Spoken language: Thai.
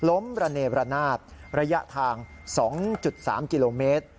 ระเนรนาศระยะทาง๒๓กิโลเมตร